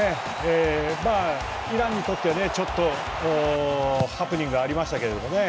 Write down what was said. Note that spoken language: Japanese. イランにとってちょっと、ハプニングがありましたけどね。